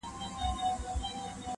خدا زده چا کاروان سالار دی تېر ایستلی -